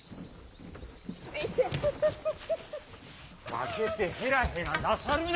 負けてヘラヘラなさるな！